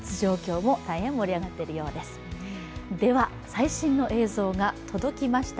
最新の映像が届きました